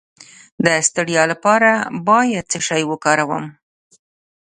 د ستړیا لپاره باید څه شی وکاروم؟